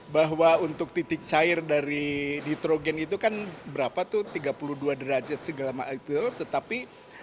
bahwa untuk titik cair dari nitrogen itu kan berapa tuh tiga puluh dua derajat segala macam itu tetapi